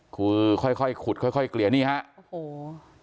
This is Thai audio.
คือค่อยขุดค่อยเกลี่ยนี่ครับ